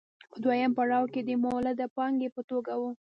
په دویم پړاو کې د مولده پانګې په توګه وه